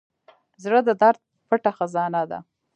زړه د درد پټه خزانه ده.